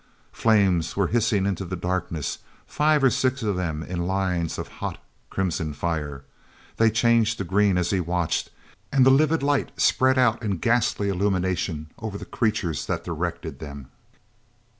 Flames were hissing into the darkness, five or six of them in lines of hot crimson fire. They changed to green as he watched, and the livid light spread out in ghastly illumination over the creatures that directed them.